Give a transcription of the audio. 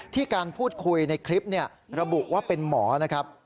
การพูดคุยในคลิประบุว่าเป็นหมอนะครับ